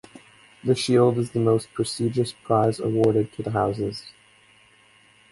The shield is the most prestigious prize awarded to the houses.